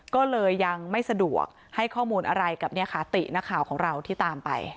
ก็เลยยังไม่สะดวกให้ข้อมูลอะไรกับตินักข่าวของเราที่ตามไป